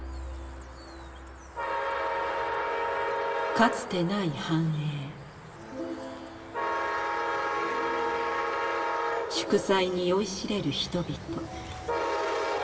かつてない繁栄祝祭に酔いしれる人々。